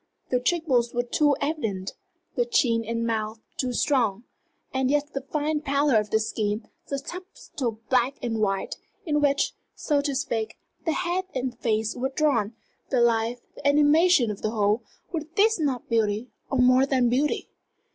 The cheek bones were too evident, the chin and mouth too strong. And yet the fine pallor of the skin, the subtle black and white, in which, so to speak, the head and face were drawn, the life, the animation of the whole were these not beauty, or more than beauty?